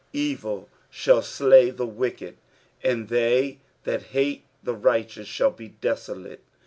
21 Evil shall slay the wicked : and they that hate the righteous shall be desolate.